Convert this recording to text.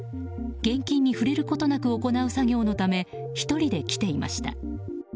現金に触れることなく行う作業のため１人で来ていました。